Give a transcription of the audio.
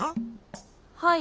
はい。